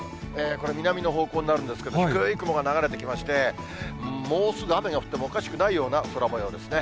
これ、南の方向になるんですけど、低い雲が流れてきまして、もうすぐ雨が降ってもおかしくないような空もようですね。